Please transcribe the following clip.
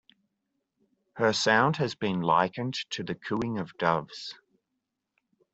Her sound has been likened to the cooing of doves.